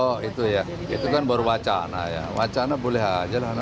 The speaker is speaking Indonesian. oh itu ya itu kan baru wacana ya wacana boleh aja lah